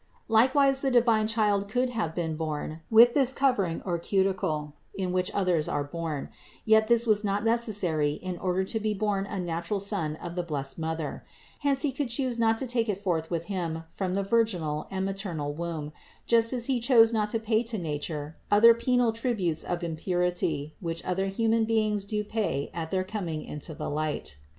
Likewise the divine THE INCARNATION 401 Child could have been born with this covering or cuticle in which others are born; yet this was not necessary in order to be born a natural Son of the blessed Mother; hence He could chose not to take it forth with Him from the virginal and maternal womb, just as He chose not to pay to nature other penal tributes of impurity, which other human beings do pay at their coming into the light.